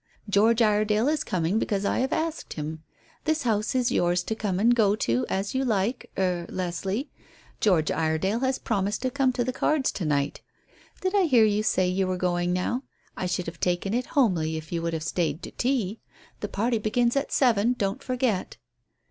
George Iredale is coming because I have asked him. This house is yours to come and go as you like er Leslie. George Iredale has promised to come to the cards to night. Did I hear you say you were going now? I should have taken it homely if you would have stayed to tea. The party begins at seven, don't forget."